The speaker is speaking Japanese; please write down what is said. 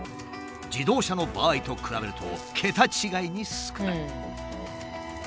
自動車の場合と比べると桁違いに少ない。